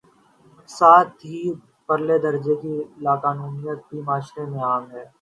ساتھ ہی پرلے درجے کی لا قانونیت بھی معاشرے میں عام ہے۔